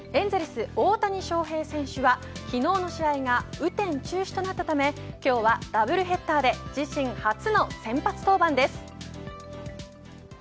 エンゼルス、大谷翔平選手は昨日の試合が雨天中止となったため今日はダブルヘッダーで自身初の先発登板です。